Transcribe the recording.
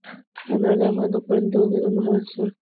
انار د افغان کورنیو د دودونو مهم عنصر دی.